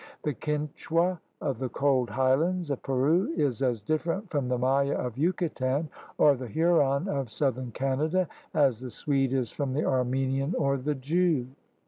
The Quichua of the cold highlands of Peru is as different from the Maya of Yucatan or the Huron of southern Canada as the Swede is from the Armenian or the Jew.